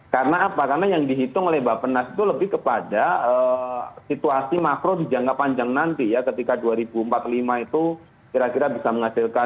karena apa karena yang dihitung oleh mbak pernas itu lebih kepada situasi makro di jangka panjang nanti ya ketika dua ribu empat puluh lima itu kira kira bisa menghasilkan